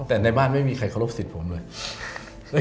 แต่ในบ้านไม่มีใครเคารพสิทธิ์ผมเลย